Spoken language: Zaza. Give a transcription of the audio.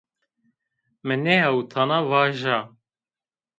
Mi nêewtana vaja